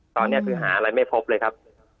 ตอนนี้คือหาอะไรไม่พบเลยครับ